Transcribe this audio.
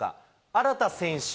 荒田選手。